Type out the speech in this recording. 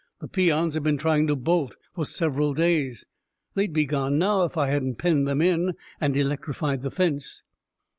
"The peons have been trying to bolt for several days. They'd be gone now if I hadn't penned them in and electrified the fence."